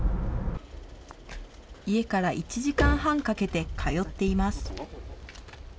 家から１時間半かけて通っています。